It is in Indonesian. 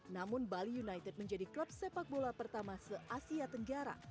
namun bali united menjadi klub sepak bola pertama se asia tenggara